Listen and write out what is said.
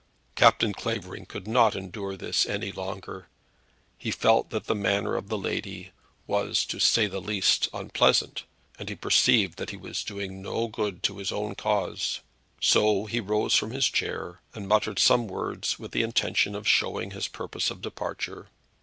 Captain Clavering could not endure this any longer. He felt that the manner of the lady was, to say the least of it, unpleasant, and he perceived that he was doing no good to his own cause. So he rose from his chair and muttered some words with the intention of showing his purpose of departure.